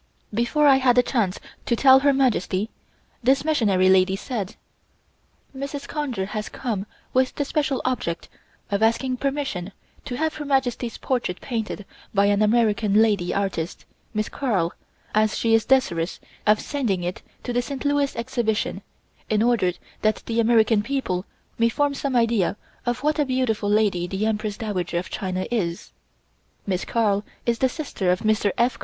Before I had a chance to tell Her Majesty this Missionary lady said: "Mrs. Conger has come with the special object of asking permission to have Her Majesty's portrait painted by an American lady artist, Miss Carl, as she is desirous of sending it to the St. Louis Exhibition, in order that the American people may form some idea of what a beautiful lady the Empress Dowager of China is." Miss Carl is the sister of Mr. F.